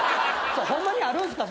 ホンマにあるんすか？